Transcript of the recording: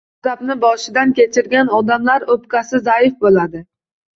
G’azabni boshidan kechirgan odamlar o’pkasi zaif bo‘ladi.